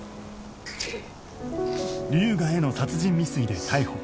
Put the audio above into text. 龍河への殺人未遂で逮捕